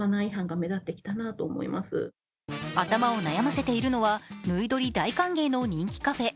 頭を悩ませているのはぬい撮り大歓迎の人気カフェ